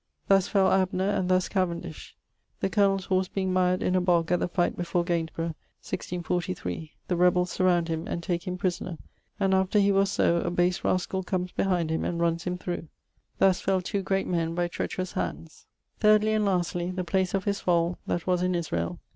Thus fell Abner; and thus Cavendish, the colonell's horse being mired in a bog at the fight before Gainsborough, 1643, the rebels surround him, and take him prisoner; and after he was so, a base raskall comes behind him, and runs him through. Thus fell two great men by treacherous handes. 'Thirdly and lastly, the place of his fall, that was in Israel....